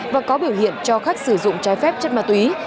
và có biểu hiện cho khách sử dụng trái phép chất ma túy